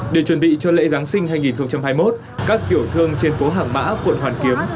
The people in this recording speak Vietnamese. để chuẩn bị cho lễ giáng sinh hai nghìn hai mươi một các tiểu thương trên phố hàng mã quận hoàn kiếm